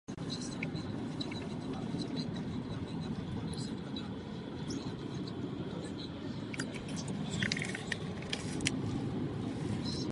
Poměr mužů a žen či jejich sexuální orientace nejsou podstatné.